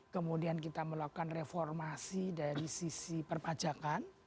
kemudian kita melakukan reformasi dari sisi perpajakan